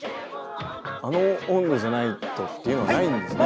あの音頭じゃないとっていうのはないんですね。